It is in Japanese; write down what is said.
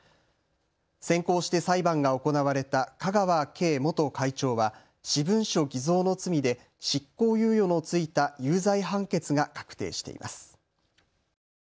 先行して裁判が行われた香川敬元会長は私文書偽造の罪で執行猶予の付いた有罪判決が確定しています。